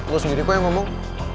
lu sendiri pak yang ngomong